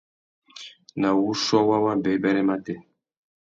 Nà wuchiô wa wabêbêrê matê.